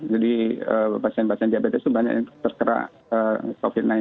jadi pasien pasien diabetes itu banyak yang terkerak covid sembilan belas